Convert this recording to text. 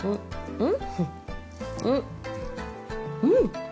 うん。